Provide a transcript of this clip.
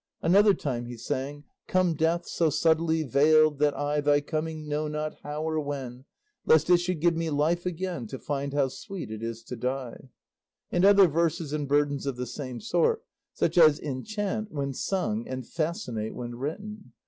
Another time he sang: Come Death, so subtly veiled that I Thy coming know not, how or when, Lest it should give me life again To find how sweet it is to die. —and other verses and burdens of the same sort, such as enchant when sung and fascinate when written.